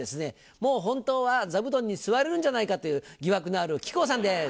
もう本当は座布団に座れるんじゃないかという疑惑のある木久扇さんです。